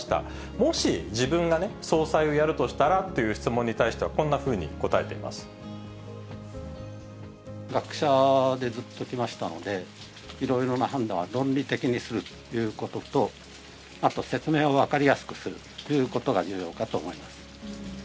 もし自分が総裁をやるとしたらという質問に対しては、学者でずっときましたので、いろいろな判断は論理的にするということと、あと説明を分かりやすくするということが重要かと思います。